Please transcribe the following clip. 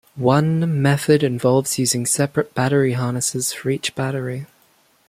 One method involves using separate battery harnesses for each battery.